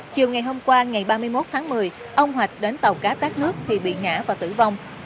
chiều ngày hôm qua ngày ba mươi một tháng một mươi ông hoạch đến tàu cá tác nước thì bị ngã và tử vong